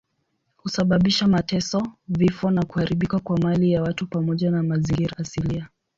Husababisha mateso, vifo na kuharibika kwa mali ya watu pamoja na mazingira asilia.